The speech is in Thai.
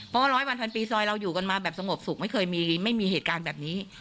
เพราะว่าร้อยวันพันปีซอยเราอยู่กันมาแบบสงบสุขไม่เคยไม่มีเหตุการณ์แบบนี้